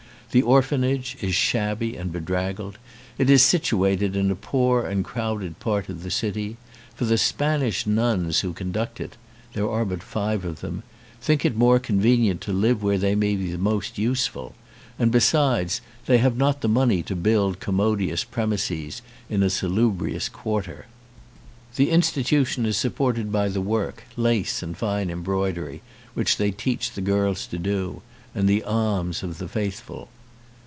The orphanage is shabby and bedraggled; it is situated in a poor and crowded part of the city; for the Spanish nuns who conduct it — there are but five of them — think it more convenient to live where they may be most useful; and besides, they have not the money to build commodious premises in a salubri ous quarter. The institution is supported by the 168 THE SIGHTS OF THE TOWN work, lace and fine embroidery, which they teach the girls to do, and by the alms of the faithful.